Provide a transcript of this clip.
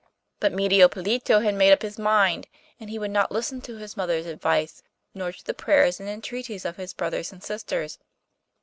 But Medio Pollito had made up his mind, and he would not listen to his mother's advice, nor to the prayers and entreaties of his brothers and sisters.